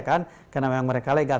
karena memang mereka legal